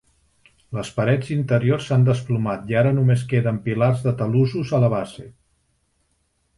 Les parets interiors s'han desplomat i ara només queden pilars de talussos a la base.